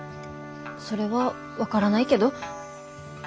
それは分からないけど。